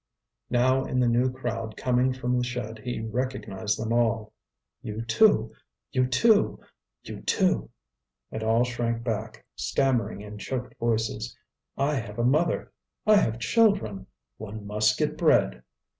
Now in the new crowd coming from the shed he recognized them all. "You too! you too! you too!" And all shrank back, stammering in choked voices: "I have a mother." "I have children." "One must get bread."